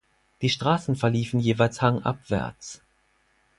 Die Straßen verliefen jeweils hangabwärts.